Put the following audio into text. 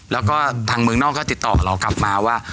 แล้วก็ทางเมืองนอกก็ติดต่อเรากลับมาว่า